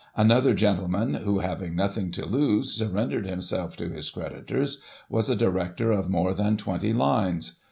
Another gentleman who, having nothing to lose, surrendered himself to his creditors, was a director of more than twenty lines.